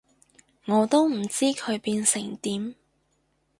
我都唔知佢變成點